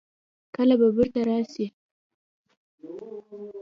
کله به بېرته راسي.